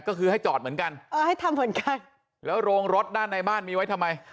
ก็คือให้จอดเหมือนกันเออให้ทำเหมือนกันแล้วโรงรถด้านในบ้านมีไว้ทำไม